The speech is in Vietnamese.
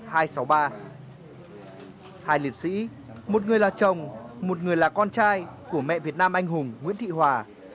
hai liệt sĩ một người là chồng một người là con trai của mẹ việt nam anh hùng nguyễn thị hòa